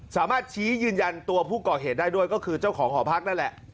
สามารถชี้ยืนยันตัวผู้ก่อเหตุได้ด้วยก็คือเจ้าของหอพักนั่นแหละ